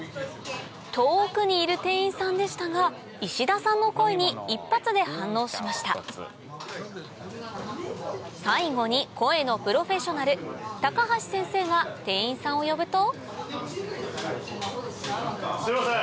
遠くにいる店員さんでしたが石田さんの声に一発で反応しました最後に声のプロフェッショナル高橋先生が店員さんを呼ぶとすいません！